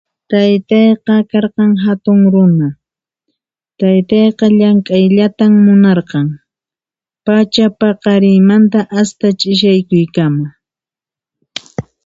Taytayqa karqan hatun runa, taytayqa llank'ayllata munarqan, pachapaqarinmanta hasta ch'ishaykuykama.